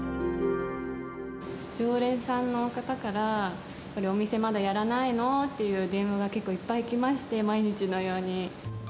常連さんの方から、お店、まだやらないの？っていう電話が結構いっぱい来まして、毎日のように。